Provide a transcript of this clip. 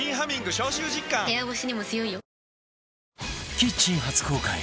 キッチン初公開